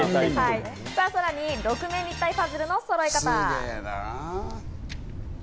さらに６面立体パズルのそろえ方。